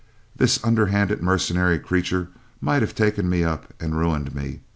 this underhanded mercenary creature might have taken me up and ruined me!